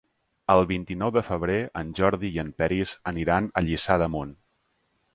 El vint-i-nou de febrer en Jordi i en Peris aniran a Lliçà d'Amunt.